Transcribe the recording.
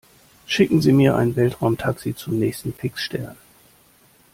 Schicken Sie mir ein Weltraumtaxi zum nächsten Fixstern!